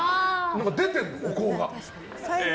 出てるの、お香が。